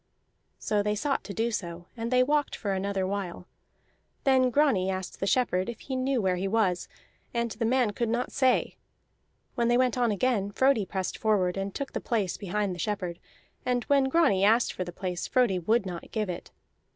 So they sought to do so, and they walked for another while. Then Grani asked the shepherd if he knew where he was, and the man could not say. When they went on again, Frodi pressed forward and took the place behind the shepherd; and when Grani asked for the place Frodi would not give it.